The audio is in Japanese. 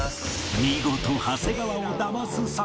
見事長谷川をだます坂上